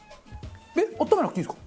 温めなくていいんですか？